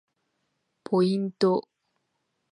ポイント